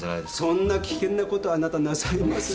そんな危険なことあなたなさいますか？